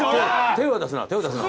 手は出すな手は出すな。